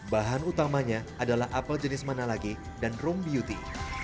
bahan utamanya adalah apple jenis manalagi dan room beauty